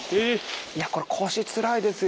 これ腰つらいですよ。